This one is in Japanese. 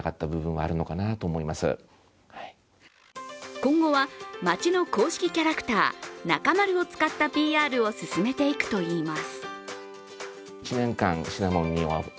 今後は、町の公式キャラクターなかまるを使ったＰＲを進めていくといいます。